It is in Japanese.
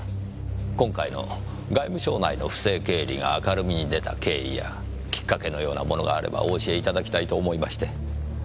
今回の外務省内の不正経理が明るみに出た経緯やキッカケのようなものがあればお教えいただきたいと思いまして。